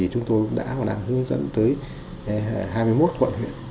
chúng tôi đã hướng dẫn tới hai mươi một quận huyện